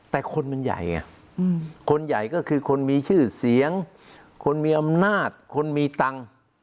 แต่คนมันใหญ่ไงคนใหญ่ก็คือคนมีชื่อเสียงคนมีอำนาจคนมีตังค์